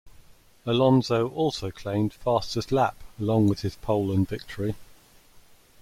Alonso also claimed fastest lap along with his pole and victory.